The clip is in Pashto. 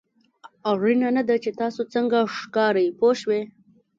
اړینه نه ده چې تاسو څنګه ښکارئ پوه شوې!.